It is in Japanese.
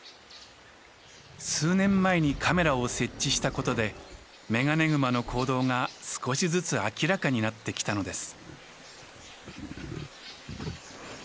数年前にカメラを設置したことでメガネグマの行動が少しずつ明らかになってきたのです。